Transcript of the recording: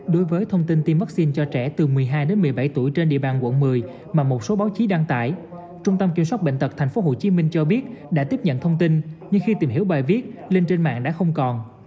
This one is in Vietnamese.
đối với thông tin tiêm vaccine cho trẻ từ một mươi hai đến một mươi bảy tuổi trên địa bàn quận một mươi mà một số báo chí đăng tải trung tâm kiểm soát bệnh tật tp hcm cho biết đã tiếp nhận thông tin nhưng khi tìm hiểu bài viết lên trên mạng đã không còn